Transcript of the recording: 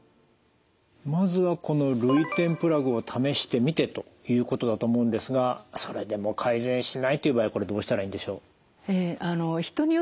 まずはこの涙点プラグを試してみてということだと思うんですがそれでも改善しないという場合はこれどうしたらいいんでしょう？